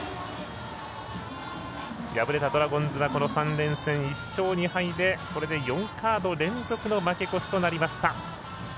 敗れたドラゴンズはこの３連戦は１勝２敗でこれで４カード連続の負け越しとなりました。